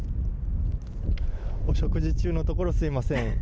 お食事中のところすみません。